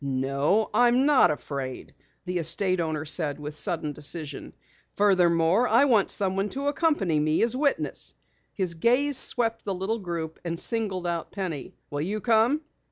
"No, I'm not afraid," the estate owner said with sudden decision. "Furthermore, I want someone to accompany me as witness." His gaze swept the little group and singled out Penny. "Will you come?"